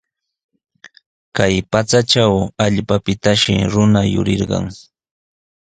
Kay pachatraw allpapitashi runa yurirqan.